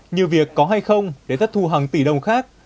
nhiều việc có hay không để thất thu hàng tỷ đồng khác